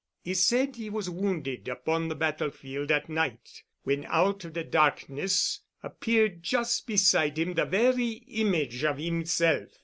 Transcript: "He said he was wounded upon the battlefield at night, when out of the darkness appeared just beside him the very image of himself.